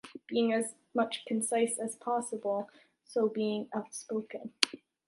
Being as much concise as possible, so being outspoken.